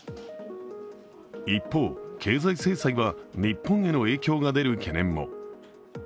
一方、経済制裁は日本への影響が出る懸念も。